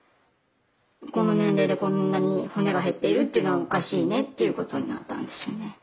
「この年齢でこんなに骨が減っているっていうのはおかしいね」っていうことになったんですよね。